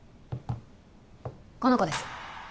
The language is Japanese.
この子です